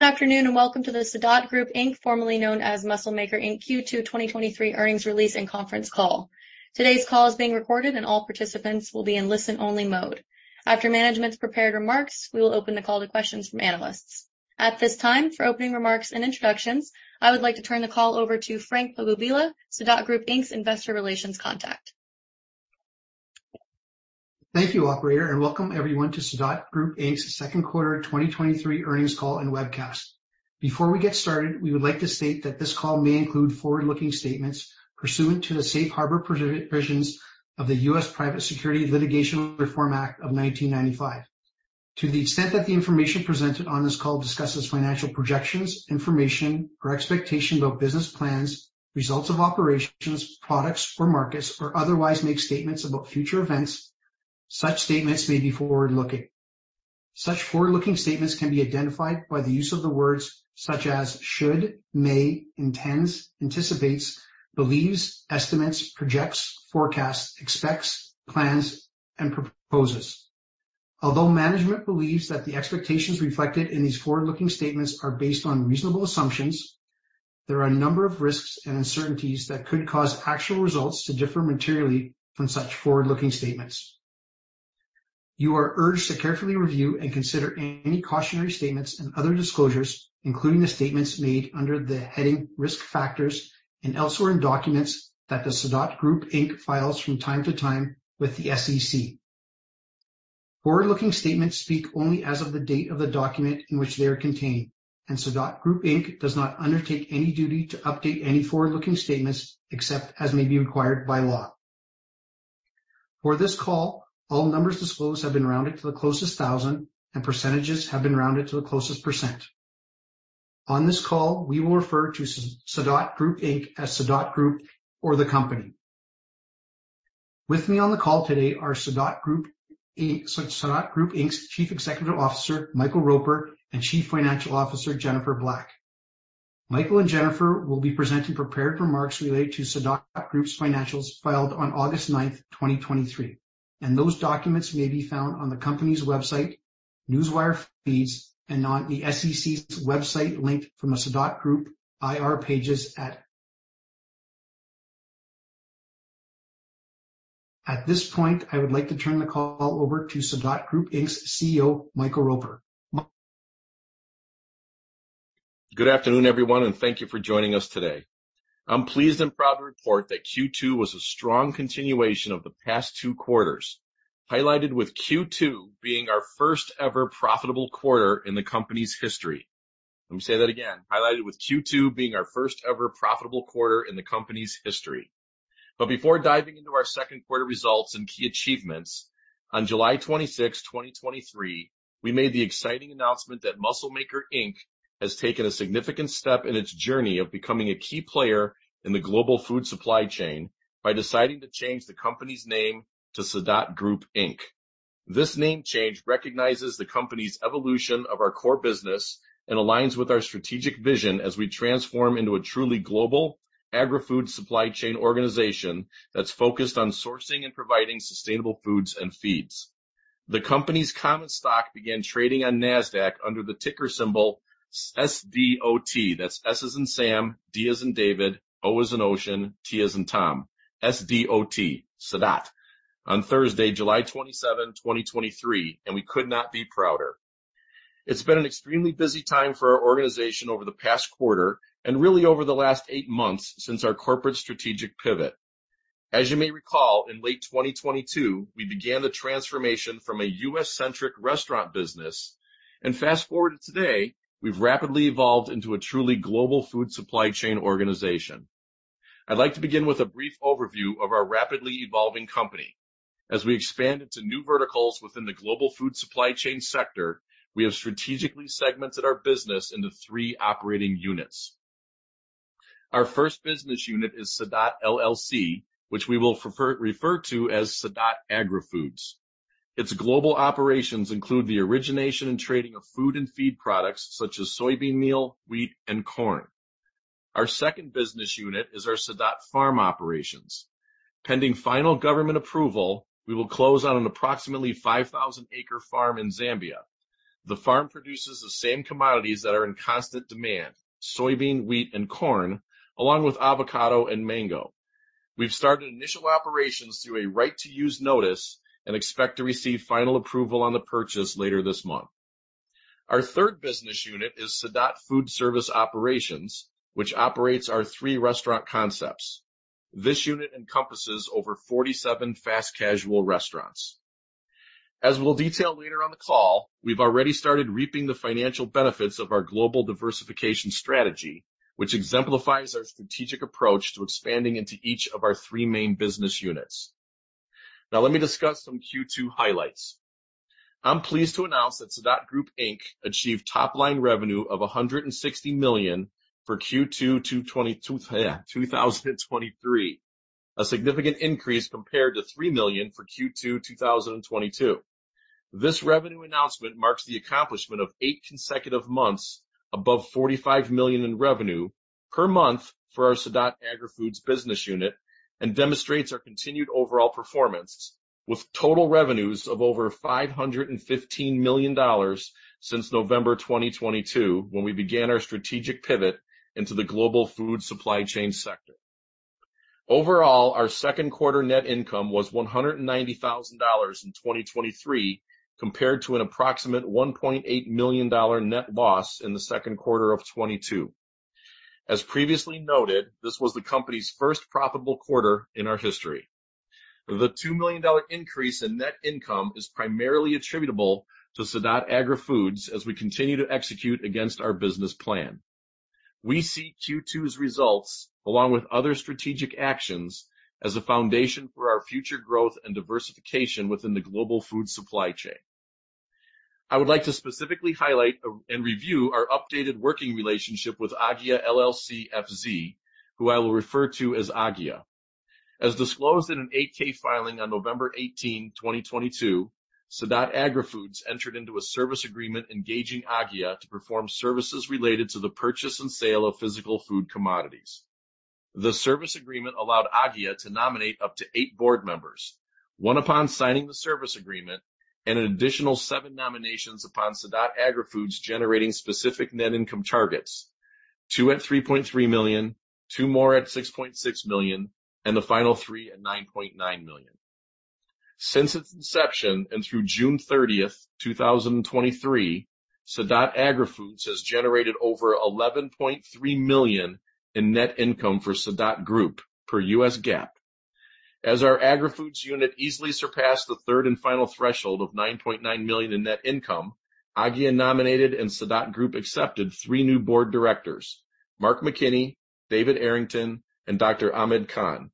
Good afternoon. Welcome to the Sadot Group Inc., formerly known as Muscle Maker Inc., Q2 2023 earnings release and conference call. Today's call is being recorded, and all participants will be in listen-only mode. After management's prepared remarks, we will open the call to questions from analysts. At this time, for opening remarks and introductions, I would like to turn the call over to Frank Pappalila, Sadot Group Inc's Investor Relations contact. Thank you, operator, and welcome everyone to Sadot Group Inc's second quarter 2023 earnings call and webcast. Before we get started, we would like to state that this call may include forward-looking statements pursuant to the Safe Harbor provisions of the US Private Securities Litigation Reform Act of 1995. To the extent that the information presented on this call discusses financial projections, information or expectation about business plans, results of operations, products or markets, or otherwise make statements about future events, such statements may be forward-looking. Such forward-looking statements can be identified by the use of the words such as should, may, intends, anticipates, believes, estimates, projects, forecasts, expects, plans, and proposes. Although management believes that the expectations reflected in these forward-looking statements are based on reasonable assumptions, there are a number of risks and uncertainties that could cause actual results to differ materially from such forward-looking statements. You are urged to carefully review and consider any cautionary statements and other disclosures, including the statements made under the heading Risk Factors and elsewhere in documents that the Sadot Group Inc. files from time to time with the SEC. Forward-looking statements speak only as of the date of the document in which they are contained, and Sadot Group Inc. does not undertake any duty to update any forward-looking statements except as may be required by law. For this call, all numbers disclosed have been rounded to the closest thousand, and percentages have been rounded to the closest %. On this call, we will refer to Sadot Group Inc as Sadot Group or the company. With me on the call today are Sadot Group Inc's Chief Executive Officer Michael Roper and Chief Financial Officer Jennifer Black. Michael and Jennifer will be presenting prepared remarks related to Sadot Group's financials filed on August 9, 2023, and those documents may be found on the company's website, Newswire feeds, and on the SEC's website, linked from the Sadot Group Investor Relations pages at. At this point, I would like to turn the call over to Sadot Group Inc.'s CEO, Michael Roper. Good afternoon, everyone, and thank you for joining us today. I'm pleased and proud to report that Q2 was a strong continuation of the past two quarters, highlighted with Q2 being our first-ever profitable quarter in the company's history. Let me say that again. Highlighted with Q2 being our first-ever profitable quarter in the company's history. Before diving into our second quarter results and key achievements, on July 26th, 2023, we made the exciting announcement that Muscle Maker Inc. has taken a significant step in its journey of becoming a key player in the global food supply chain by deciding to change the company's name to Sadot Group Inc. This name change recognizes the company's evolution of our core business and aligns with our strategic vision as we transform into a truly global agri-food supply chain organization that's focused on sourcing and providing sustainable foods and feeds. The company's common stock began trading on Nasdaq under the ticker symbol SDOT. That's S as in Sam, D as in David, O as in Ocean, T as in Tom. SDOT, Sadot, on Thursday, July 27, 2023. We could not be prouder. It's been an extremely busy time for our organization over the past quarter and really over the last eight months since our corporate strategic pivot. As you may recall, in late 2022, we began the transformation from a US -centric restaurant business, and fast-forward to today, we've rapidly evolved into a truly global food supply chain organization. I'd like to begin with a brief overview of our rapidly evolving company. As we expand into new verticals within the global food supply chain sector, we have strategically segmented our business into three operating units. Our first business unit is Sadot LLC, which we will refer to as Sadot Agri-Foods. Its global operations include the origination and trading of Food and Feed Products such as soybean meal, wheat, and corn. Our second business unit is our Sadot Farm Operations. Pending final government approval, we will close on an approximately 5,000-acre farm in Zambia. The farm produces the same commodities that are in constant demand: soybean, wheat, and corn, along with avocado and mango. We've started initial operations through a right to use notice and expect to receive final approval on the purchase later this month. Our third business unit is Sadot Food Service Operations, which operates our three restaurant concepts. This unit encompasses over 47 fast-casual restaurants. As we'll detail later on the call, we've already started reaping the financial benefits of our global diversification strategy, which exemplifies our strategic approach to expanding into each of our three main business units. Now, let me discuss some Q2 highlights. I'm pleased to announce that Sadot Group Inc. achieved top-line revenue of $160 million for Q2 2023, a significant increase compared to $3 million for Q2 2022. This revenue announcement marks the accomplishment of eight consecutive months above $45 million in revenue per month for our Sadot Agri-Foods business unit and demonstrates our continued overall performance, with total revenues of over $515 million since November 2022, when we began our strategic pivot into the global food supply chain sector. Overall, our second quarter net income was $190,000 in 2023, compared to an approximate $1.8 million net loss in the second quarter of 2022. As previously noted, this was the company's first profitable quarter in our history. The $2 million increase in net income is primarily attributable to Sadot Agri-Foods as we continue to execute against our business plan. We see Q2's results, along with other strategic actions, as a foundation for our future growth and diversification within the global food supply chain. I would like to specifically highlight and review our updated working relationship with A.G.G.I.A FZ LLC, who I will refer to as A.G.G.I.A. As disclosed in a Form 8-K filing on November 18, 2022, Sadot Agri-Foods entered into a service agreement engaging A.G.G.I.A to perform services related to the purchase and sale of physical food commodities. The service agreement allowed A.G.G.I.A to nominate up to eight board members, one upon signing the service agreement, and an additional seven nominations upon Sadot Agri-Foods generating specific net income targets. Two at $3.3 million, two more at $6.6 million, and the final three at $9.9 million. Since its inception and through June 30, 2023, Sadot Agri-Foods has generated over $11.3 million in net income for Sadot Group per US GAAP. As our AgriFoods unit easily surpassed the third and final threshold of $9.9 million in net income, A.G.G.I.A nominated and Sadot Group accepted three new board directors, Mark McKinney, David Errington, and Dr. Ahmed Khan.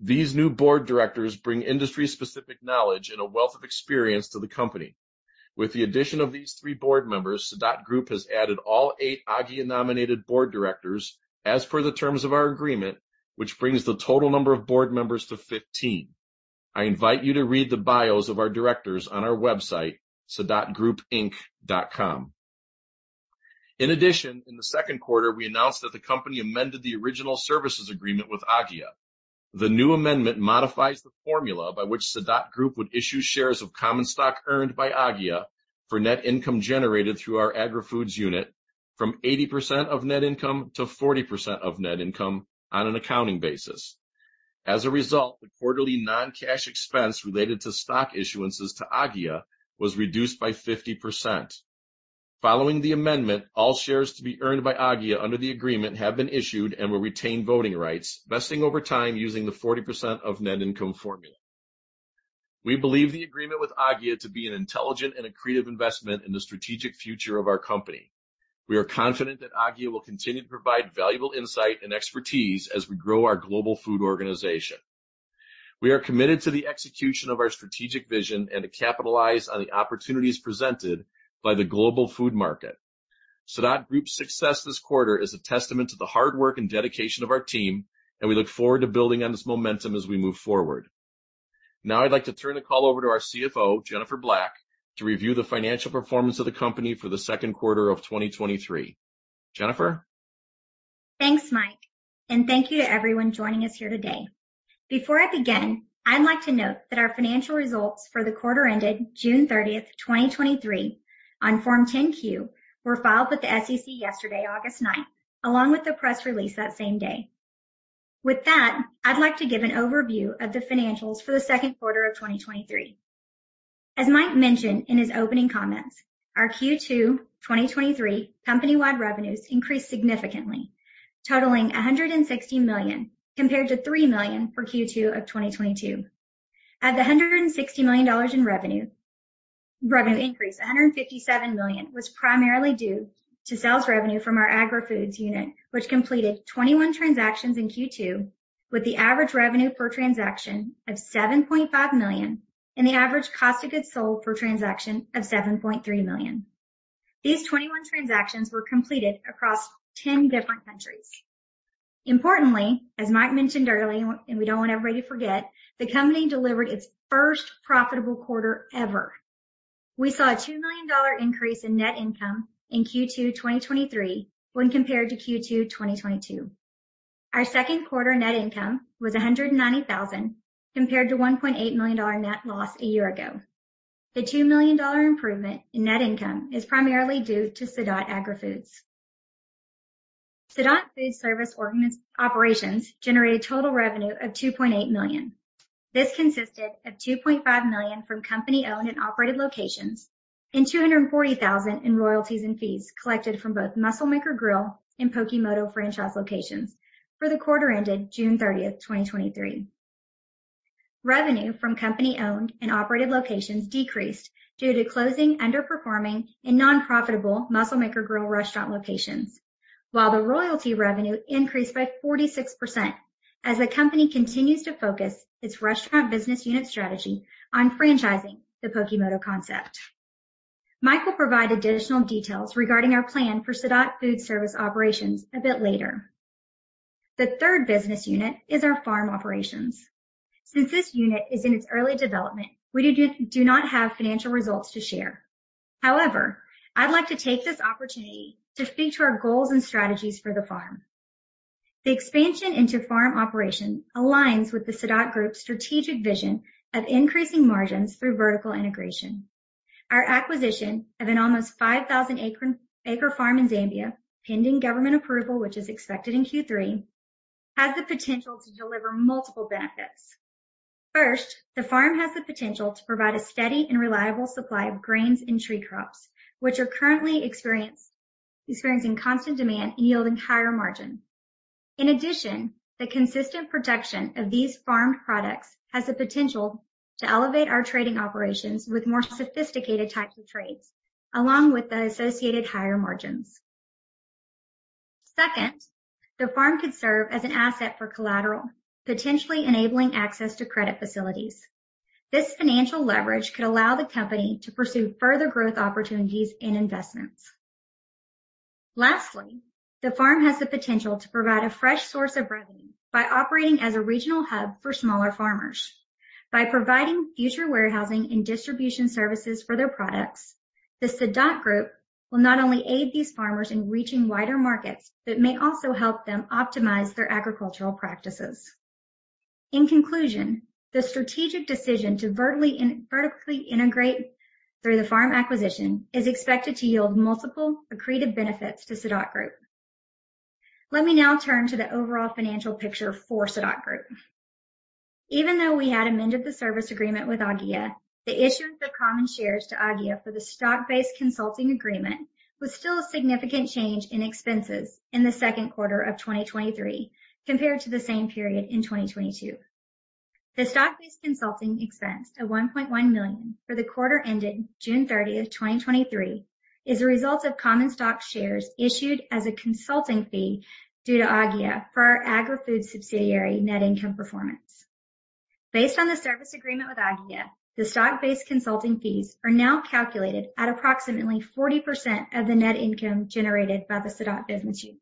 These new board directors bring industry-specific knowledge and a wealth of experience to the company. With the addition of these three board members, Sadot Group has added all eight A.G.G.I.A -nominated board directors as per the terms of our agreement, which brings the total number of board members to 15. I invite you to read the bios of our directors on our website, sadotgroupinc.com. In addition, in the second quarter, we announced that the company amended the original services agreement with A.G.G.I.A. The new amendment modifies the formula by which Sadot Group would issue shares of common stock earned by A.G.G.I.A for net income generated through our Agri-Foods unit from 80% of net income to 40% of net income on an accounting basis. As a result, the quarterly non-cash expense related to stock issuances to A.G.G.I.A was reduced by 50%. Following the amendment, all shares to be earned A.G.G.I.A under the agreement have been issued and will retain voting rights, vesting over time using the 40% of net income formula. We believe the agreement with A.G.G.I.A to be an intelligent and creative investment in the strategic future of our company. We are confident that A.G.G.I.A will continue to provide valuable insight and expertise as we grow our global food organization. We are committed to the execution of our strategic vision and to capitalize on the opportunities presented by the global food market. Sadot Group's success this quarter is a testament to the hard work and dedication of our team, and we look forward to building on this momentum as we move forward. Now, I'd like to turn the call over to our CFO, Jennifer Black, to review the financial performance of the company for the second quarter of 2023. Jennifer? Thanks, Michael. Thank you to everyone joining us here today. Before I begin, I'd like to note that our financial results for the quarter ended June 30th, 2023 on Form 10-Q, were filed with the SEC yesterday, August 9th, along with the press release that same day. With that, I'd like to give an overview of the financials for the second quarter of 2023. As Mike mentioned in his opening comments, our Q2 2023 company-wide revenues increased significantly, totaling $160 million, compared to $3 million for Q2 of 2022. At the $160 million in revenue, revenue increase, $157 million was primarily due to sales revenue from our Sadot Agri-Foods unit, which completed 21 transactions in Q2, with the average revenue per transaction of $7.5 million and the average cost of goods sold per transaction of $7.3 million. These 21 transactions were completed across 10 different countries. Importantly, as Michael Roper mentioned earlier, we don't want everybody to forget, the company delivered its first profitable quarter ever. We saw a $2 million increase in net income in Q2 2023 when compared to Q2 2022. Our second quarter net income was $190,000, compared to a $1.8 million net loss a year ago. The $2 million improvement in net income is primarily due to Sadot Agri-Foods. Sadot Food Service Operations generated total revenue of $2.8 million. This consisted of $2.5 million from company-owned and operated locations and $240,000 in royalties and fees collected from both Muscle Maker Grill and Pokemoto franchise locations for the quarter ended June 30th, 2023. Revenue from company-owned and operated locations decreased due to closing, underperforming, and non-profitable Muscle Maker Grill restaurant locations, while the royalty revenue increased by 46% as the company continues to focus its restaurant business unit strategy on franchising the Pokemoto concept. Michael will provide additional details regarding our plan for Sadot Food Service operations a bit later. The third business unit is our Sadot Farm Operations. Since this unit is in its early development, we do not have financial results to share. However, I'd like to take this opportunity to speak to our goals and strategies for the farm. The expansion into farm operation aligns with the Sadot Group's strategic vision of increasing margins through vertical integration. Our acquisition of an almost 5,000 acre farm in Zambia, pending government approval, which is expected in Q3, has the potential to deliver multiple benefits. First, the farm has the potential to provide a steady and reliable supply of grains and tree crops, which are currently experiencing constant demand and yielding higher margin. In addition, the consistent production of these farmed products has the potential to elevate our trading operations with more sophisticated types of trades, along with the associated higher margins. Second, the farm could serve as an asset for collateral, potentially enabling access to credit facilities. This financial leverage could allow the company to pursue further growth opportunities and investments. Lastly, the farm has the potential to provide a fresh source of revenue by operating as a regional hub for smaller farmers. By providing future warehousing and distribution services for their products, the Sadot Group will not only aid these farmers in reaching wider markets, but may also help them optimize their agricultural practices. In conclusion, the strategic decision to vertically integrate through the farm acquisition is expected to yield multiple accretive benefits to Sadot Group. Let me now turn to the overall financial picture for Sadot Group. Even though we had amended the service agreement with A.G.G.I.A, the issuance of common shares to A.G.G.I.A for the stock-based consulting agreement was still a significant change in expenses in the second quarter of 2023 compared to the same period in 2022. The stock-based consulting expense of $1.1 million for the quarter ended June 30, 2023, is a result of common stock shares issued as a consulting fee due to A.G.G.I.A for our Agri-Food subsidiary net income performance. Based on the service agreement with A.G.G.I.A, the stock-based consulting fees are now calculated at approximately 40% of the net income generated by the Sadot business unit.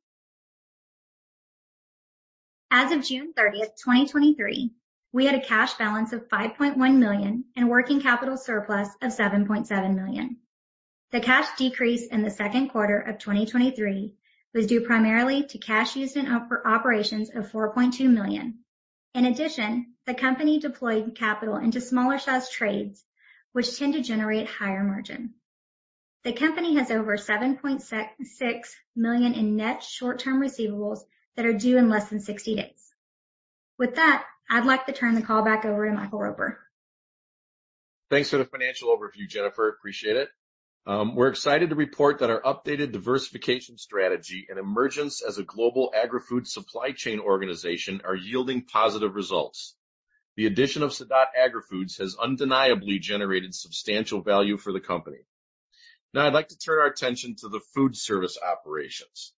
As of June 30, 2023, we had a cash balance of $5.1 million and working capital surplus of $7.7 million. The cash decrease in the second quarter of 2023 was due primarily to cash used in operations of $4.2 million. In addition, the company deployed capital into smaller-sized trades, which tend to generate higher margin. The company has over $7.6 million in net short-term receivables that are due in less than 60 days. With that, I'd like to turn the call back over to Michael Roper. Thanks for the financial overview, Jennifer. Appreciate it. We're excited to report that our updated diversification strategy and emergence as a global Agri- Food Supply Chain Organization are yielding positive results. The addition of Sadot Agri-Foods has undeniably generated substantial value for the company. Now, I'd like to turn our attention to the Sadot Food Service Operations.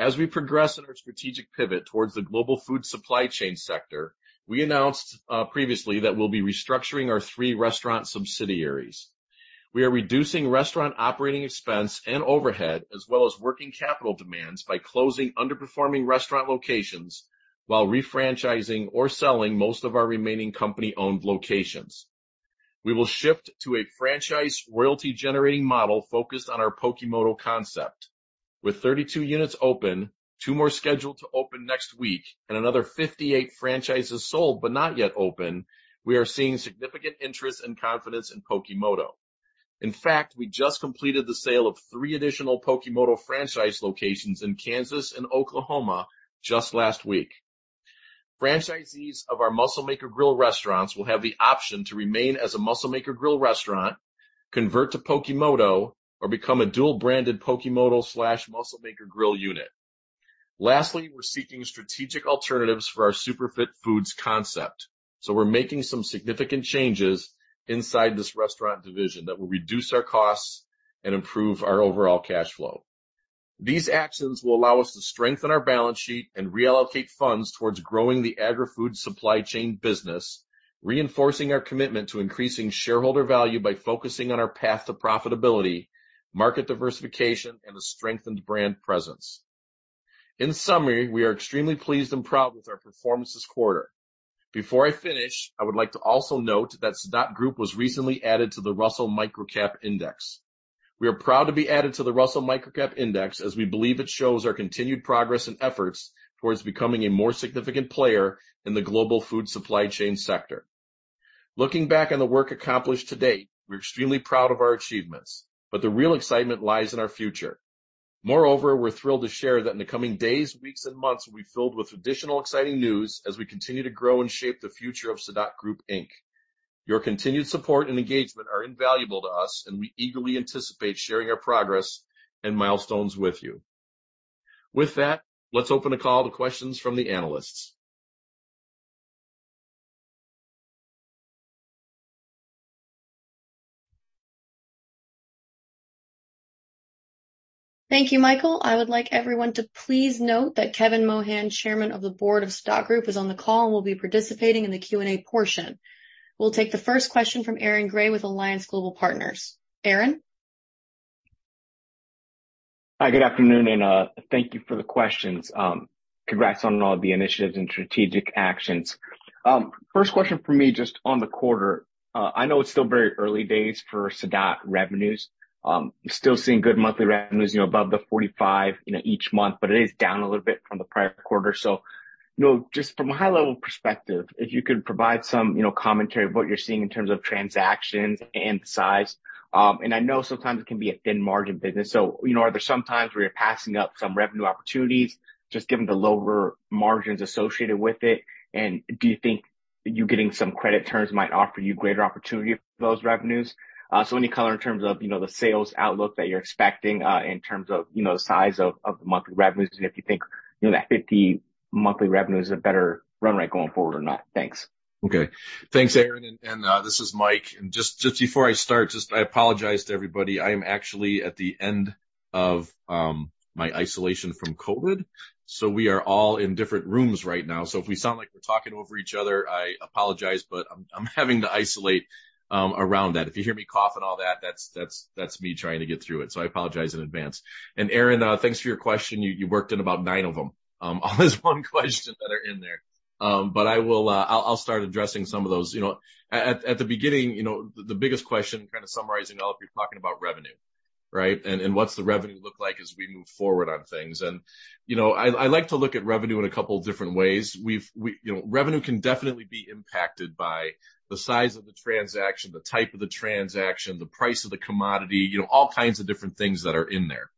As we progress in our strategic pivot towards the global food supply chain sector, we announced previously that we'll be restructuring our three restaurant subsidiaries. We are reducing restaurant operating expense and overhead, as well as working capital demands by closing underperforming restaurant locations while refranchising or selling most of our remaining company-owned locations. We will shift to a franchise royalty-generating model focused on our Pokemoto concept. With 32 units open, two more scheduled to open next week, and another 58 franchises sold, but not yet open, we are seeing significant interest and confidence in Pokemoto. In fact, we just completed the sale of three additional Pokemoto franchise locations in Kansas and Oklahoma just last week. Franchisees of our Muscle Maker Grill restaurants will have the option to remain as a Muscle Maker Grill restaurant, convert to Pokemoto, or become a dual-branded Pokemoto slash Muscle Maker Grill unit. Lastly, we're seeking strategic alternatives for our Superfit Foods concept. We're making some significant changes inside this restaurant division that will reduce our costs and improve our overall cash flow. These actions will allow us to strengthen our balance sheet and reallocate funds towards growing the Agri-Food Supply Chain Business, reinforcing our commitment to increasing shareholder value by focusing on our path to profitability, market diversification, and a strengthened brand presence. In summary, we are extremely pleased and proud with our performance this quarter. Before I finish, I would like to also note that Sadot Group was recently added to the Russell Microcap Index. We are proud to be added to the Russell Microcap Index, as we believe it shows our continued progress and efforts towards becoming a more significant player in the global food supply chain sector. Looking back on the work accomplished to date, we're extremely proud of our achievements, but the real excitement lies in our future. We're thrilled to share that in the coming days, weeks, and months, we'll be filled with additional exciting news as we continue to grow and shape the future of Sadot Group Inc. Your continued support and engagement are invaluable to us, and we eagerly anticipate sharing our progress and milestones with you. With that, let's open the call to questions from the analysts. Thank you, Michael. I would like everyone to please note that Kevin Mohan, Chairman of the Board of Sadot Group, is on the call and will be participating in the Q&A portion. We'll take the first question from Aaron Grey with Alliance Global Partners. Aaron? Hi, good afternoon, and thank you for the questions. Congrats on all the initiatives and strategic actions. First question for me, just on the quarter. I know it's still very early days for Sadot revenues. Still seeing good monthly revenues, you know, above the $45, you know, each month, but it is down a little bit from the prior quarter. You know, just from a high-level perspective, if you could provide some, you know, commentary of what you're seeing in terms of transactions and size. I know sometimes it can be a thin margin business, you know, are there some times where you're passing up some revenue opportunities just given the lower margins associated with it? Do you think you getting some credit terms might offer you greater opportunity for those revenues? Any color in terms of, you know, the sales outlook that you're expecting, in terms of, you know, size of, of the monthly revenues, and if you think, you know, that $50 monthly revenue is a better run rate going forward or not? Thanks. Okay. Thanks, Aaron, and, and this is Michael. Just, just before I start, just I apologize to everybody. I am actually at the end of my isolation from COVID, we are all in different rooms right now. If we sound like we're talking over each other, I apologize, but I'm, I'm having to isolate around that. If you hear me cough and all that, that's, that's, that's me trying to get through it. I apologize in advance. Aaron, thanks for your question. You, you worked in about nine of them. There's one question that are in there. I will, I'll, I'll start addressing some of those. You know, at, at, at the beginning, you know, the, the biggest question, kind of summarizing all, if you're talking about revenue, right? What's the revenue look like as we move forward on things. You know, I, I like to look at revenue in two different ways. We've, You know, revenue can definitely be impacted by the size of the transaction, the type of the transaction, the price of the commodity, you know, all kinds of different things that are in there.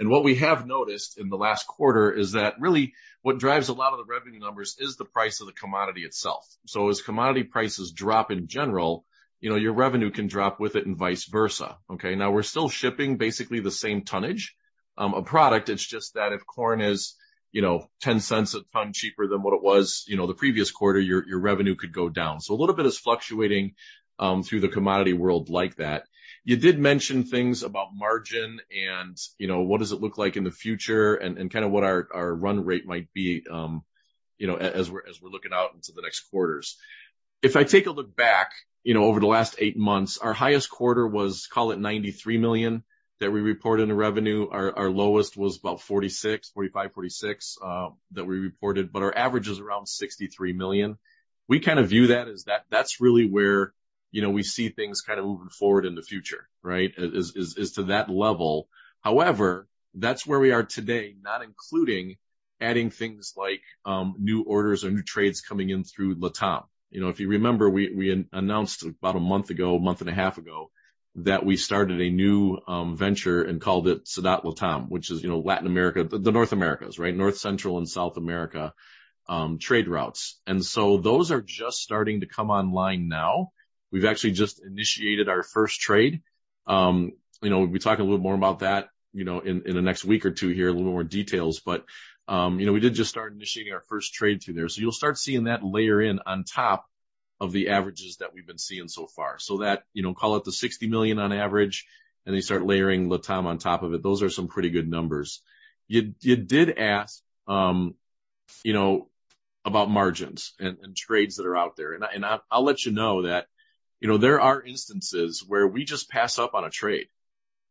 What we have noticed in the last quarter is that really what drives a lot of the revenue numbers is the price of the commodity itself. As commodity prices drop in general, you know, your revenue can drop with it and vice versa. Okay? Now, we're still shipping basically the same tonnage of product. It's just that if corn is, you know, $0.10 a ton cheaper than what it was, you know, the previous quarter, your, your revenue could go down. A little bit is fluctuating through the commodity world like that. You did mention things about margin and, you know, what does it look like in the future and, and kind of what our, our run rate might be, you know, as we're, as we're looking out into the next quarters. If I take a look back, you know, over the last eight months, our highest quarter was, call it $93 million that we reported in revenue. Our, our lowest was about 46, 45, 46, that we reported, but our average is around $63 million. We kind of view that as that, that's really where, you know, we see things kind of moving forward in the future, right? Is, is, is to that level. However, that's where we are today, not including adding things like new orders or new trades coming in through LATAM. You know, if you remember, we announced about a month ago, a month and a half ago, that we started a new venture and called it Sadot LATAM, which is, you know, Latin America, the North Americas, right? North Central and South America, trade routes. Those are just starting to come online now. We've actually just initiated our first trade. You know, we'll talk a little more about that, you know, in the next week or two here, a little more details. You know, we did just start initiating our first trade through there. You'll start seeing that layer in on top of the averages that we've been seeing so far. That, you know, call it the $60 million on average, and they start layering LATAM on top of it. Those are some pretty good numbers. You, you did ask, you know, about margins and trades that are out there. I, I'll let you know that, you know, there are instances where we just pass up on a trade,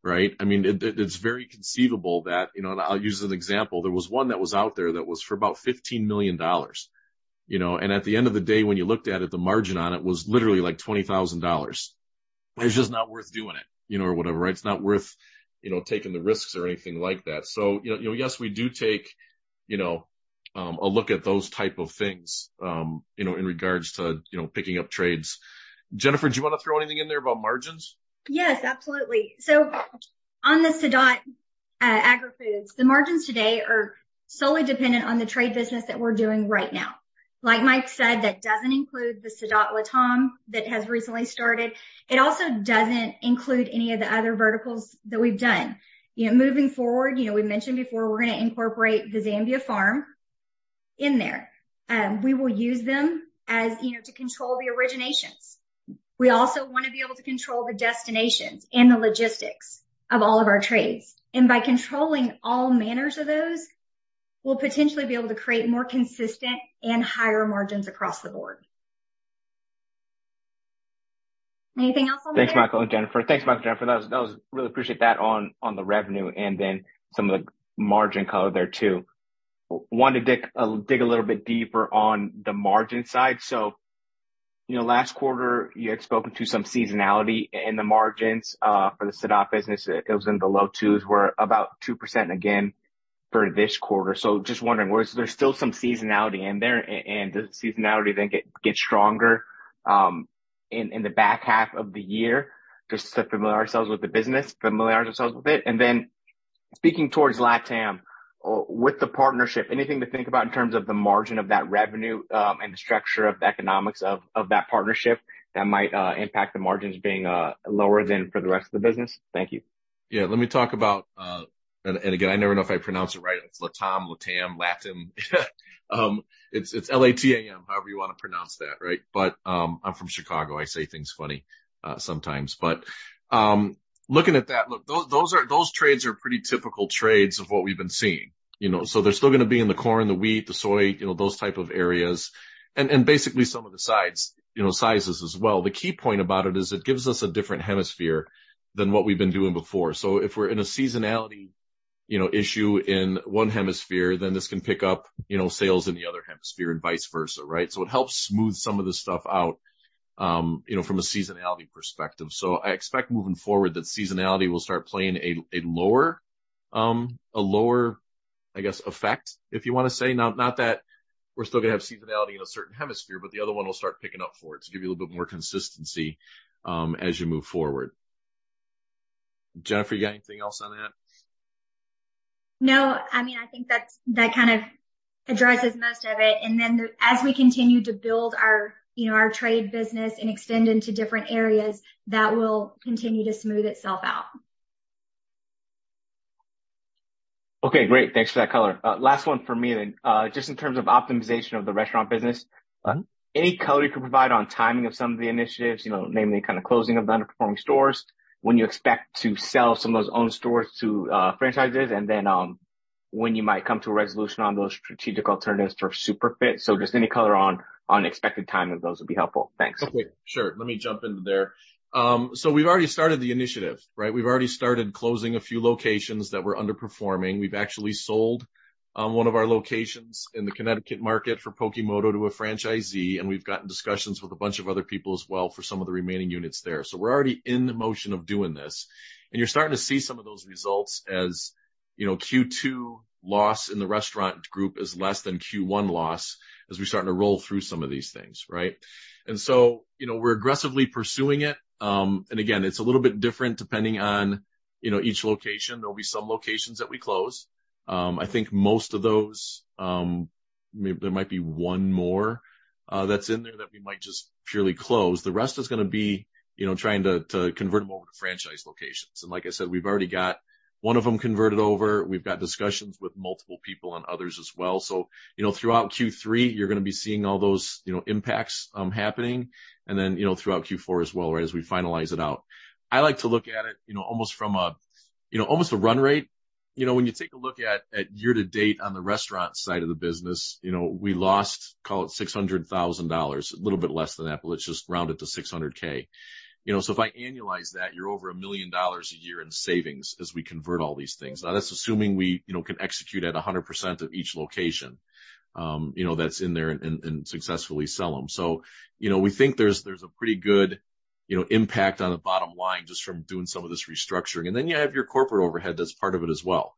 right? I mean, it, it, it's very conceivable that, you know. I'll use an example. There was one that was out there that was for about $15 million, you know, and at the end of the day, when you looked at it, the margin on it was literally, like, $20,000. It's just not worth doing it, you know, or whatever, right? It's not worth, you know, taking the risks or anything like that. Yes, you know, we do take, you know, a look at those type of things, you know, in regards to, you know, picking up trades. Jennifer, do you want to throw anything in there about margins? Yes, absolutely. So on the Sadot, Agri-Foods, the margins today are solely dependent on the trade business that we're doing right now. Like Michael said, that doesn't include the Sadot LATAM that has recently started. It also doesn't include any of the other verticals that we've done. You know, moving forward, you know, we mentioned before, we're gonna incorporate the Zambia farm in there. We will use them as, you know, to control the originations. We also want to be able to control the destinations and the logistics of all of our trades. By controlling all manners of those, we'll potentially be able to create more consistent and higher margins across the board. Anything else over there? Thanks, Michael and Jennifer. Thanks, Michael and Jennifer. That was, that was. Really appreciate that on, on the revenue and then some of the margin color there, too. Wanted to dig a, dig a little bit deeper on the margin side. You know, last quarter, you had spoken to some seasonality in the margins, for the Sadot business. It, it was in the low twos, we're about 2% again for this quarter. Just wondering, there still some seasonality in there, and does the seasonality then get, get stronger, in, in the back half of the year? Just to familiar ourselves with the business, familiarize ourselves with it. Then speaking towards LATAM, with the partnership, anything to think about in terms of the margin of that revenue, and the structure of the economics of, of that partnership that might impact the margins being lower than for the rest of the business? Thank you. Yeah, let me talk about... Again, I never know if I pronounce it right. It's LATAM, LATAM, LATAM. It's, it's L-A-T-A-M, however you want to pronounce that, right? I'm from Chicago, I say things funny sometimes. Looking at that, look, those are those trades are pretty typical trades of what we've been seeing... You know, so they're still gonna be in the corn, the wheat, the soy, you know, those type of areas, and, and basically some of the sides, you know, sizes as well. The key point about it is it gives us a different hemisphere than what we've been doing before. If we're in a seasonality, you know, issue in one hemisphere, then this can pick up, you know, sales in the other hemisphere and vice versa, right? It helps smooth some of this stuff out, you know, from a seasonality perspective. I expect moving forward that seasonality will start playing a, a lower, a lower, I guess, effect, if you want to say. Not, not that we're still gonna have seasonality in a certain hemisphere, but the other one will start picking up for it to give you a little bit more consistency, as you move forward. Jennifer, you got anything else on that? No. I mean, I think that's, that kind of addresses most of it. As we continue to build our, you know, our trade business and extend into different areas, that will continue to smooth itself out. Okay, great. Thanks for that color. Last one for me then. Just in terms of optimization of the restaurant business... Uh-huh. Any color you can provide on timing of some of the initiatives, you know, namely kind of closing of the underperforming stores, when you expect to sell some of those own stores to franchises, and then, when you might come to a resolution on those strategic alternatives for Superfit? Just any color on expected timing of those would be helpful. Thanks. Okay, sure. Let me jump into there. We've already started the initiative, right? We've already started closing a few locations that were underperforming. We've actually sold one of our locations in the Connecticut market for Pokemoto to a franchisee, and we've gotten discussions with a bunch of other people as well for some of the remaining units there. We're already in the motion of doing this, and you're starting to see some of those results. As you know, Q2 loss in the restaurant group is less than Q1 loss as we're starting to roll through some of these things, right? You know, we're aggressively pursuing it. Again, it's a little bit different depending on, you know, each location. There'll be some locations that we close. I think most of those may... There might be one more that's in there that we might just purely close. The rest is gonna be, you know, trying to, to convert them over to franchise locations. Like I said, we've already got one of them converted over. We've got discussions with multiple people on others as well. You know, throughout Q3, you're gonna be seeing all those, you know, impacts happening, and then, you know, throughout Q4 as well, right, as we finalize it out. I like to look at it, you know, almost from a, you know, almost a run rate. You know, when you take a look at, at year to date on the restaurant side of the business, you know, we lost, call it $600,000, a little bit less than that, but let's just round it to $600K. You know, so if I annualize that, you're over $1 million a year in savings as we convert all these things. Now, that's assuming we, you know, can execute at 100% of each location, you know, that's in there and, and, and successfully sell them. You know, we think there's, there's a pretty good, you know, impact on the bottom line just from doing some of this restructuring. Then you have your corporate overhead that's part of it as well,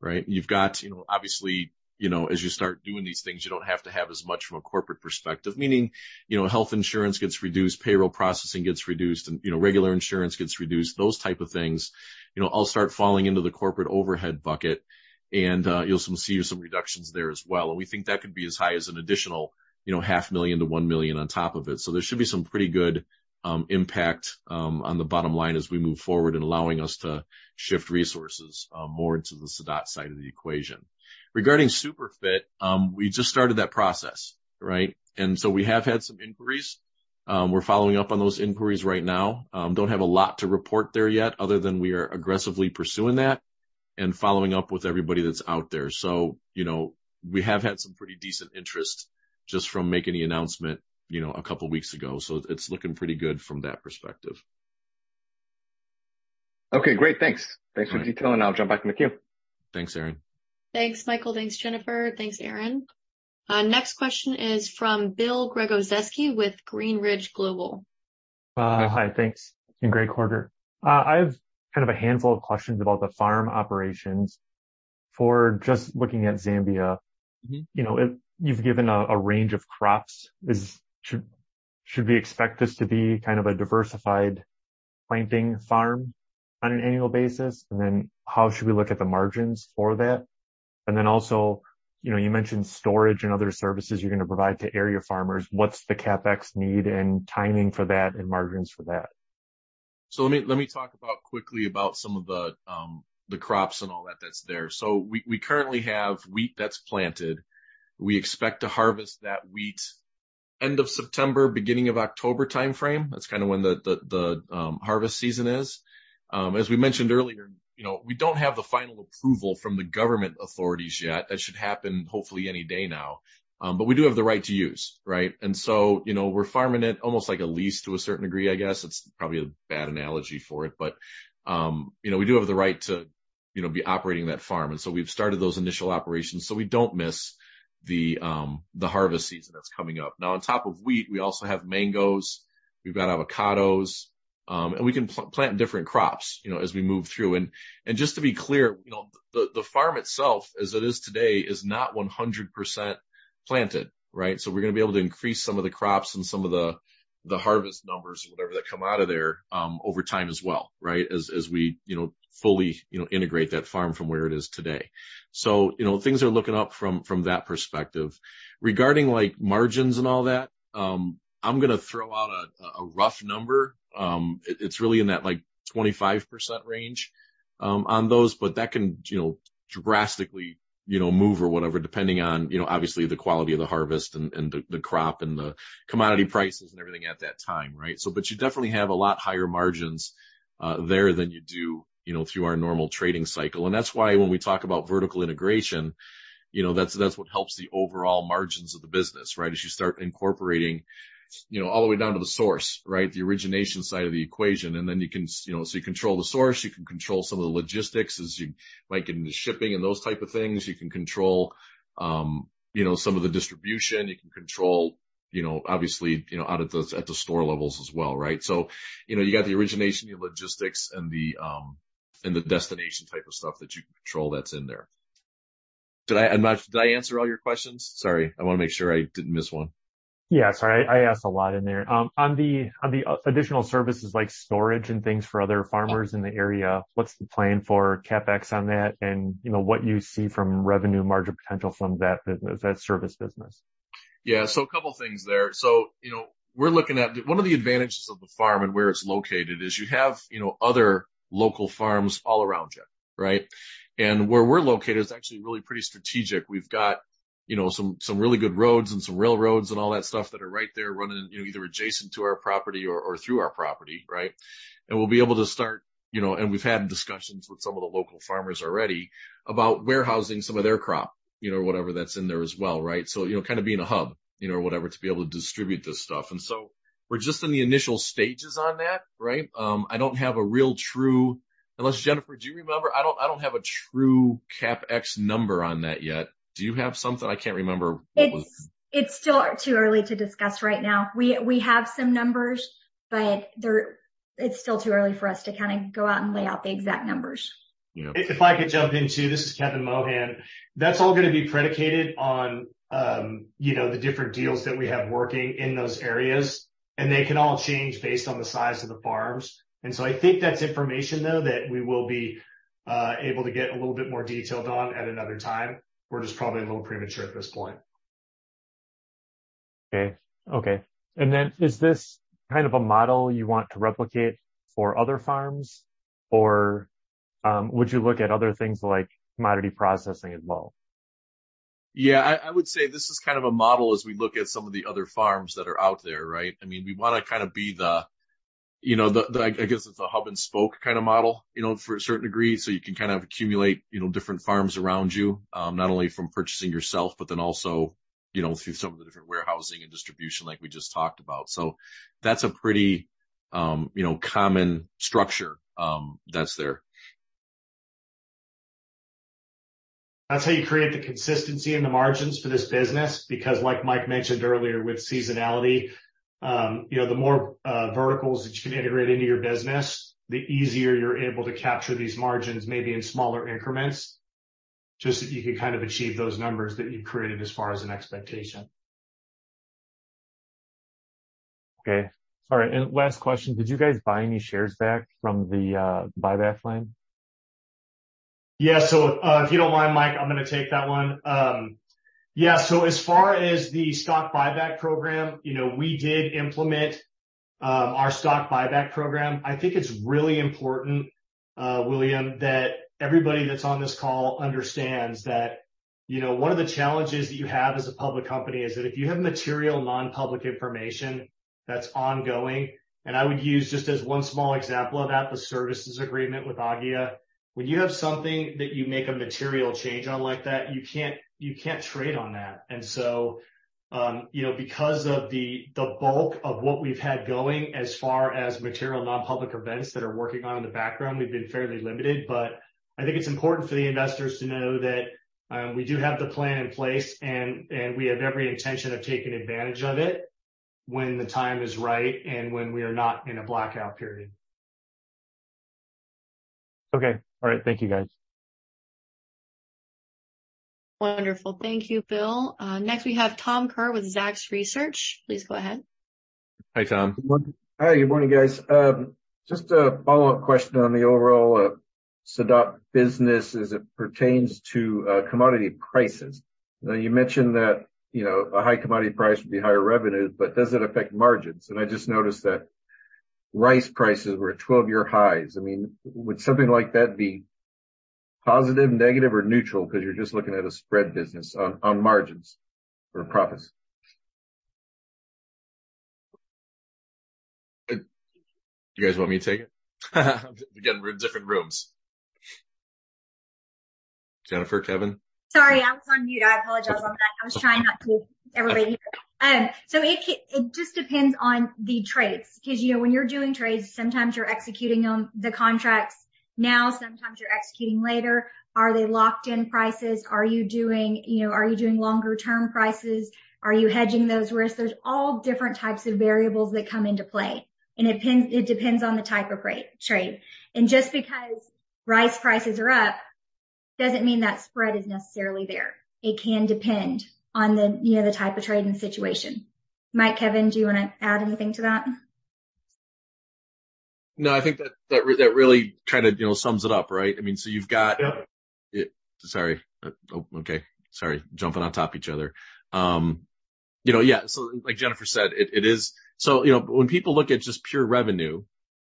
right? You've got, you know, obviously, you know, as you start doing these things, you don't have to have as much from a corporate perspective, meaning, you know, health insurance gets reduced, payroll processing gets reduced, and, you know, regular insurance gets reduced. Those type of things, you know, all start falling into the corporate overhead bucket, and you'll some see some reductions there as well. We think that could be as high as an additional, you know, $500,000-$1 million on top of it. There should be some pretty good impact on the bottom line as we move forward in allowing us to shift resources more into the Sadot side of the equation. Regarding Superfit, we just started that process, right? We have had some inquiries. We're following up on those inquiries right now. Don't have a lot to report there yet other than we are aggressively pursuing that and following up with everybody that's out there. You know, we have had some pretty decent interest just from making the announcement, you know, a couple weeks ago. It's looking pretty good from that perspective. Okay, great. Thanks. All right. Thanks for the detail, and I'll jump back in the queue. Thanks, Aaron. Thanks, Michael. Thanks, Jennifer. Thanks, Aaron. Next question is from William Gregozeski with Greenridge Global. Hi. Thanks. Great quarter. I've kind of a handful of questions about the farm operations. For just looking at Zambia... Mm-hmm. you know, you've given a, a range of crops. Should we expect this to be kind of a diversified planting farm on an annual basis? Then how should we look at the margins for that? Then also, you know, you mentioned storage and other services you're gonna provide to area farmers. What's the CapEx need and timing for that and margins for that? Let me, let me talk about, quickly about some of the crops and all that that's there. We, we currently have wheat that's planted. We expect to harvest that wheat end of September, beginning of October timeframe. That's kind of when the, the, the harvest season is. As we mentioned earlier, you know, we don't have the final approval from the government authorities yet. That should happen hopefully any day now. We do have the right to use, right? You know, we're farming it almost like a lease to a certain degree, I guess. It's probably a bad analogy for it, but, you know, we do have the right to, you know, be operating that farm. We've started those initial operations, so we don't miss the harvest season that's coming up. Now, on top of wheat, we also have mangoes, we've got avocados, and we can plant different crops, you know, as we move through. Just to be clear, you know, the, the farm itself, as it is today, is not 100% planted, right? We're gonna be able to increase some of the crops and some of the, the harvest numbers or whatever that come out of there, over time as well, right? As we, you know, fully, you know, integrate that farm from where it is today. You know, things are looking up from, from that perspective. Regarding, like, margins and all that, I'm gonna throw out a, a rough number. It, it's really in that, like, 25% range, on those, but that can, you know, drastically, you know, move or whatever, depending on, you know, obviously, the quality of the harvest and, and the, the crop and the commodity prices and everything at that time, right? But you definitely have a lot higher margins there than you do, you know, through our normal trading cycle. That's why when we talk about vertical integration, you know, that's, that's what helps the overall margins of the business, right? As you start incorporating, you know, all the way down to the source, right? The origination side of the equation, and then you can, you know, so you control the source, you can control some of the logistics as, like, in the shipping and those type of things. You can control, you know, some of the distribution. You can control, you know, obviously, you know, out at the store levels as well, right? You know, you got the origination, your logistics, and the, and the destination type of stuff that you can control that's in there. Did I, did I answer all your questions? Sorry, I wanna make sure I didn't miss one. Yeah, sorry, I asked a lot in there. on the, on the, additional services like storage and things for other farmers in the area, what's the plan for CapEx on that? you know, what you see from revenue margin potential from that business, that service business? Yeah, a couple of things there. You know, we're looking at... One of the advantages of the farm and where it's located is you have, you know, other local farms all around you, right? Where we're located is actually really pretty strategic. We've got, you know, some, some really good roads and some railroads and all that stuff that are right there running, you know, either adjacent to our property or, or through our property, right? We'll be able to start, you know, and we've had discussions with some of the local farmers already about warehousing some of their crop, you know, or whatever that's in there as well, right? You know, kind of being a hub, you know, or whatever, to be able to distribute this stuff. We're just in the initial stages on that, right? I don't have a real true... Unless, Jennifer, do you remember? I don't, I don't have a true CapEx number on that yet. Do you have something? I can't remember what was- It's, it's still too early to discuss right now. We, we have some numbers, but it's still too early for us to kinda go out and lay out the exact numbers. Yeah. If I could jump in, too. This is Kevin Mohan. That's all gonna be predicated on, you know, the different deals that we have working in those areas. They can all change based on the size of the farms. I think that's information, though, that we will be able to get a little bit more detailed on at another time. We're just probably a little premature at this point. Okay. Okay, then, is this kind of a model you want to replicate for other farms, or, would you look at other things like commodity processing as well? Yeah, I, I would say this is kind of a model as we look at some of the other farms that are out there, right? I mean, we wanna kind of be the, you know, the, the, I guess, it's a hub-and-spoke kind of model, you know, to a certain degree, so you can kind of accumulate, you know, different farms around you. Not only from purchasing yourself, but then also, you know, through some of the different warehousing and distribution like we just talked about. That's a pretty, you know, common structure, that's there. That's how you create the consistency in the margins for this business, because like Michael Roper mentioned earlier, with seasonality, you know, the more verticals that you can integrate into your business, the easier you're able to capture these margins, maybe in smaller increments, just so you can kind of achieve those numbers that you've created as far as an expectation. Okay. All right, last question: Did you guys buy any shares back from the buyback line? Yeah, if you don't mind, Michael, I'm gonna take that one. Yeah, as far as the stock buyback program, you know, we did implement our stock buyback program. I think it's really important, William, that everybody that's on this call understands that, you know, one of the challenges that you have as a public company is that if you have material, non-public information that's ongoing, and I would use just as one small example of that, the services agreement with Aggia. When you have something that you make a material change on like that, you can't, you can't trade on that. You know, because of the, the bulk of what we've had going as far as material, non-public events that are working on in the background, we've been fairly limited. I think it's important for the investors to know that, we do have the plan in place, and we have every intention of taking advantage of it when the time is right and when we are not in a blackout period. Okay. All right. Thank you, guys. Wonderful. Thank you, William. Next, we have Thomas Kerr with Zacks Research. Please go ahead. Hi, Thomas. Hi, good morning, guys. Just a follow-up question on the overall Sadot business as it pertains to commodity prices. You mentioned that, you know, a high commodity price would be higher revenue, but does it affect margins? I just noticed that rice prices were at 12-year highs. I mean, would something like that be positive, negative, or neutral? You're just looking at a spread business on, on margins or profits. Do you guys want me to take it? We're getting we're in different rooms. Jennifer, Kevin? Sorry, I was on mute. I apologize on that. I was trying not to overlay you. It just depends on the trades. Because, you know, when you're doing trades, sometimes you're executing on the contracts now, sometimes you're executing later. Are they locked-in prices? Are you doing, you know, are you doing longer-term prices? Are you hedging those risks? There's all different types of variables that come into play, and it depends, it depends on the type of trade. Just because rice prices are up, doesn't mean that spread is necessarily there. It can depend on the, you know, the type of trade and situation. Michael, Kevin, do you wanna add anything to that? No, I think that, that really kind of, you know, sums it up, right? I mean, so you've got- Yep. It. Sorry. Oh, okay. Sorry, jumping on top of each other. You know, yeah, so like Jennifer said, it, it is... You know, when people look at just pure revenue,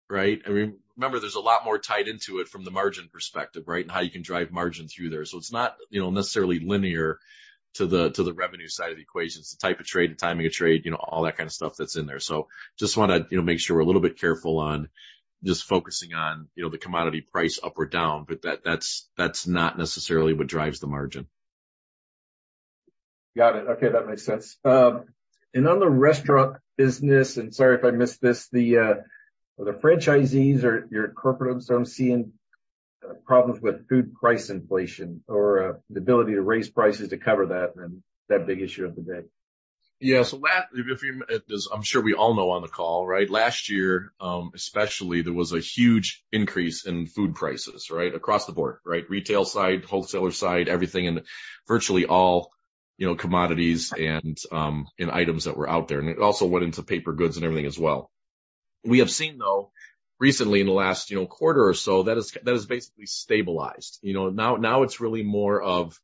right? I mean, remember, there's a lot more tied into it from the margin perspective, right? How you can drive margin through there. It's not, you know, necessarily linear to the, to the revenue side of the equation. It's the type of trade, the timing of trade, you know, all that kind of stuff that's in there. Just wanted to, you know, make sure we're a little bit careful on just focusing on, you know, the commodity price up or down, but that, that's, that's not necessarily what drives the margin. Got it. Okay, that makes sense. On the restaurant business, sorry if I missed this, the franchisees or your corporate stores seeing problems with food price inflation or the ability to raise prices to cover that and that big issue of the day? Yeah. So that, if, if you, as I'm sure we all know, on the call, right? Last year, especially, there was a huge increase in food prices, right? Across the board, right? Retail side, wholesaler side, everything, and virtually all, you know, commodities and items that were out there. It also went into paper goods and everything as well. We have seen, though, recently in the last, you know, quarter or so, that has, that has basically stabilized. You know, now, now it's really more of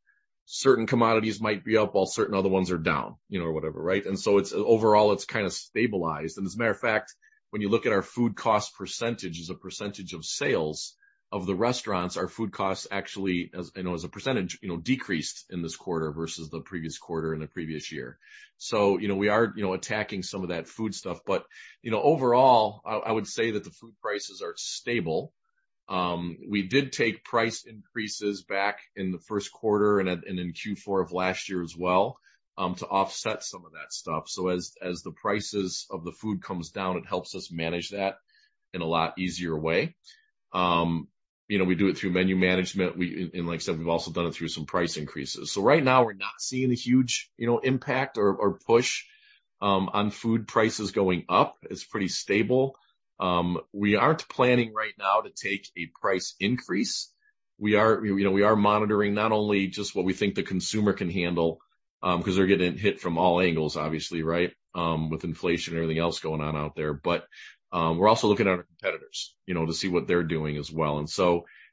certain commodities might be up, while certain other ones are down, you know, or whatever, right? It's, overall, it's kind of stabilized. As a matter of fact, when you look at our food cost percentage as a percentage of sales of the restaurants, our food costs, actually, as, you know, as a percentage, you know, decreased in this quarter versus the previous quarter and the previous year. You know, we are, you know, attacking some of that food stuff. You know, overall, I, I would say that the food prices are stable. We did take price increases back in the first quarter and at, and in Q4 of last year as well, to offset some of that stuff. As, as the prices of the food comes down, it helps us manage that in a lot easier way. You know, we do it through menu management. We, and, like I said, we've also done it through some price increases. Right now we're not seeing a huge, you know, impact or, or push on food prices going up. It's pretty stable. We aren't planning right now to take a price increase. We are, you know, we are monitoring not only just what we think the consumer can handle, because they're getting hit from all angles, obviously, right? With inflation and everything else going on out there. We're also looking at our competitors, you know, to see what they're doing as well.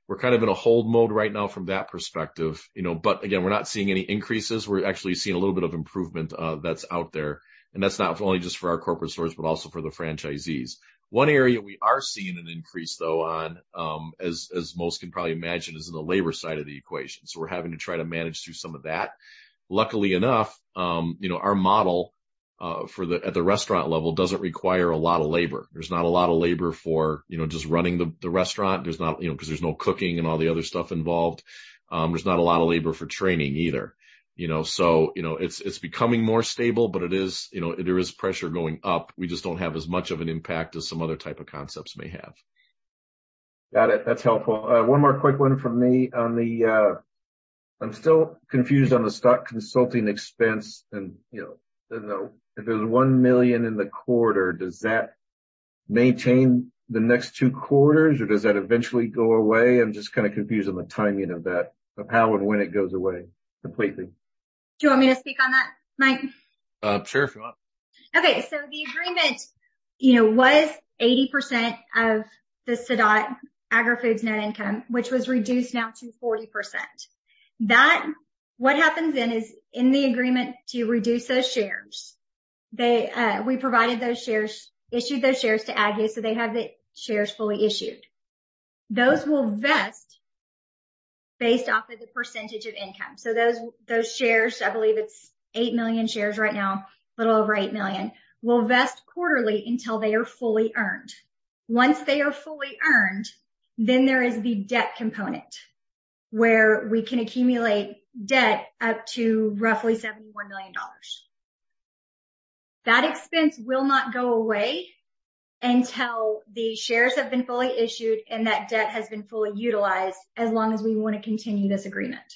We're kind of in a hold mode right now from that perspective, you know. Again, we're not seeing any increases. We're actually seeing a little bit of improvement that's out there, and that's not only just for our corporate stores, but also for the franchisees. One area we are seeing an increase, though, on, as, as most can probably imagine, is in the labor side of the equation. We're having to try to manage through some of that. Luckily enough, you know, our model at the restaurant level doesn't require a lot of labor. There's not a lot of labor for, you know, just running the, the restaurant. There's not, you know, because there's no cooking and all the other stuff involved. There's not a lot of labor for training either, you know. You know, it's, it's becoming more stable, but it is, you know, there is pressure going up. We just don't have as much of an impact as some other type of concepts may have. Got it. That's helpful. one more quick one from me on the... I'm still confused on the stock consulting expense and, you know, the, if there's $1 million in the quarter, does that maintain the next two quarters, or does that eventually go away? I'm just kind of confused on the timing of that, of how and when it goes away completely. Do you want me to speak on that, Mike? Sure, if you want. The agreement, you know, was 80% of the Sadot Agri-Foods net income, which was reduced now to 40%. What happens then is, in the agreement to reduce those shares, they, we provided those shares, issued those shares to Aggia, so they have the shares fully issued. Those will vest based off of the percentage of income. Those, those shares, I believe it's eight million shares right now, a little over eight million, will vest quarterly until they are fully earned. Once they are fully earned, then there is the debt component, where we can accumulate debt up to roughly $71 million. That expense will not go away until the shares have been fully issued and that debt has been fully utilized, as long as we want to continue this agreement,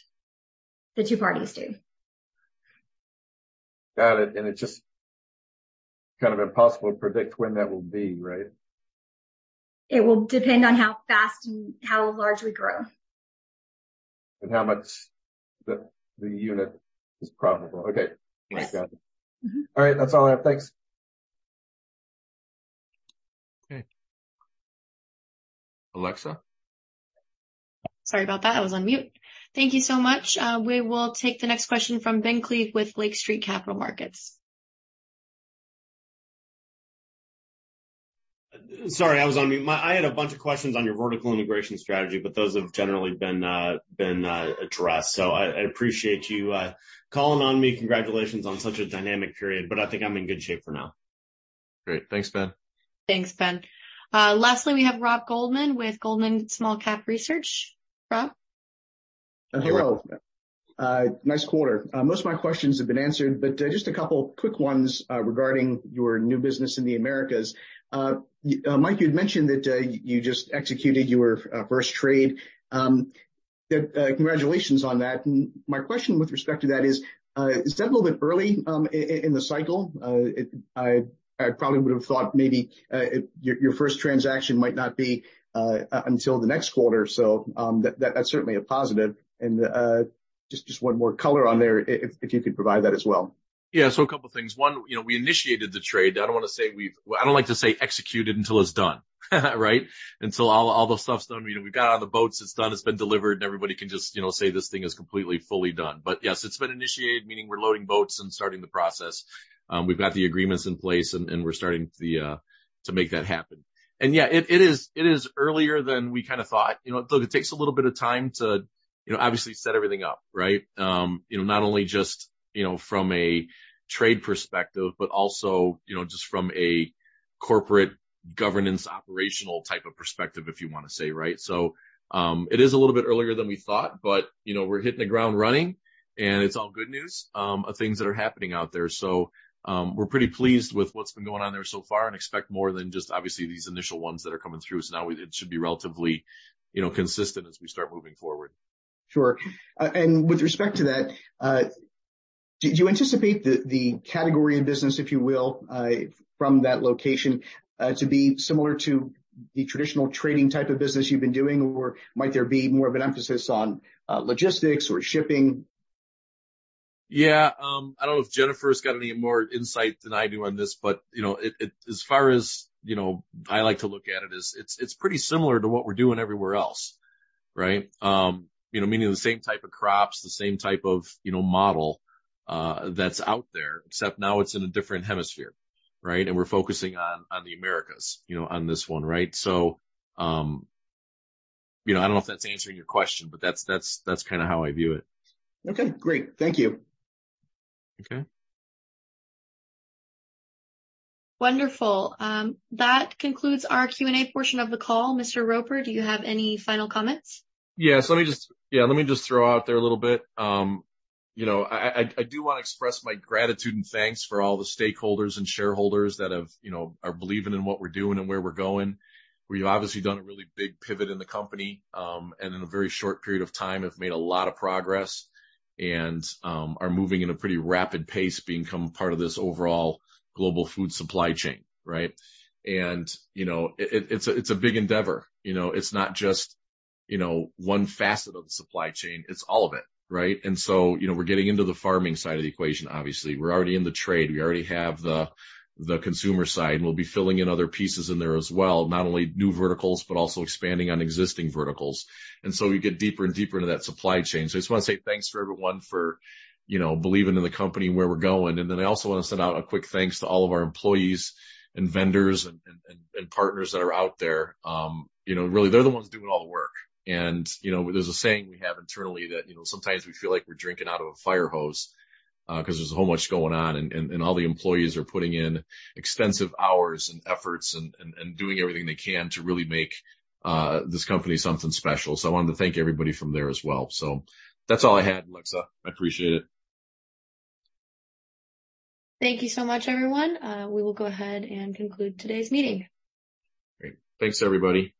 the two parties do. Got it. It's just kind of impossible to predict when that will be, right? It will depend on how fast and how large we grow. How much the, the unit is profitable. Okay. Yes. Got it. Mm-hmm. All right. That's all I have. Thanks. Okay. Alexa? Sorry about that, I was on mute. Thank you so much. We will take the next question from Benjamin Klieve with Lake Street Capital Markets. Sorry, I was on mute. I had a bunch of questions on your vertical integration strategy. Those have generally been, been, addressed. I, I appreciate you, calling on me. Congratulations on such a dynamic period. I think I'm in good shape for now. Great. Thanks, Benjamin. Thanks, Benjamin. Lastly, we have Robert Goldman with Goldman Small Cap Research. Rob? Hey, Robert. Nice quarter. Most of my questions have been answered, but just two quick ones regarding your new business in the Americas. Michael, you'd mentioned that you just executed your first trade. Congratulations on that. My question with respect to that is, is that a little bit early in the cycle? It, I, I probably would have thought maybe your first transaction might not be until the next quarter. That, that's certainly a positive. Just one more color on there if you could provide that as well. Yeah. A couple of things. One, you know, we initiated the trade. I don't want to say well, I don't like to say executed until it's done, right? Until all, all the stuff's done, you know, we've got it on the boats, it's done, it's been delivered, and everybody can just, you know, say this thing is completely, fully done. Yes, it's been initiated, meaning we're loading boats and starting the process. We've got the agreements in place and, and we're starting the to make that happen. Yeah, it, it is, it is earlier than we kind of thought. You know, look, it takes a little bit of time to, you know, obviously set everything up, right? You know, not only just, you know, from a trade perspective, but also, you know, just from a corporate governance, operational type of perspective, if you want to say, right? It is a little bit earlier than we thought, but, you know, we're hitting the ground running, and it's all good news of things that are happening out there. We're pretty pleased with what's been going on there so far and expect more than just obviously these initial ones that are coming through. Now it should be relatively, you know, consistent as we start moving forward. Sure. With respect to that, do you anticipate the, the category of business, if you will, from that location, to be similar to the traditional trading type of business you've been doing? Or might there be more of an emphasis on logistics or shipping? Yeah, I don't know if Jennifer's got any more insight than I do on this, but, you know, it, it, as far as, you know, I like to look at it, is it's, it's pretty similar to what we're doing everywhere else, right? You know, meaning the same type of crops, the same type of, you know, model that's out there, except now it's in a different hemisphere, right? We're focusing on, on the Americas, you know, on this one, right? You know, I don't know if that's answering your question, but that's, that's, that's kind of how I view it. Okay, great. Thank you. Okay. Wonderful. That concludes our Q&A portion of the call. Mr. Roper, do you have any final comments? Yes. Yeah, let me just throw out there a little bit. You know, I, I, I do want to express my gratitude and thanks for all the stakeholders and shareholders that have, you know, are believing in what we're doing and where we're going. We've obviously done a really big pivot in the company, and in a very short period of time, have made a lot of progress and, are moving in a pretty rapid pace, becoming part of this overall global food supply chain, right? You know, it, it, it's a, it's a big endeavor. You know, it's not just, you know, one facet of the supply chain, it's all of it, right? So, you know, we're getting into the farming side of the equation, obviously. We're already in the trade. We already have the, the consumer side, and we'll be filling in other pieces in there as well, not only new verticals, but also expanding on existing verticals. We get deeper and deeper into that supply chain. I just want to say thanks to everyone for, you know, believing in the company and where we're going. I also want to send out a quick thanks to all of our employees and vendors and, and, and, and partners that are out there. You know, really, they're the ones doing all the work. You know, there's a saying we have internally that, you know, sometimes we feel like we're drinking out of a fire hose, because there's so much going on, and all the employees are putting in extensive hours and efforts and doing everything they can to really make this company something special. I wanted to thank everybody from there as well. That's all I had, Alexa. I appreciate it. Thank you so much, everyone. We will go ahead and conclude today's meeting. Great. Thanks, everybody.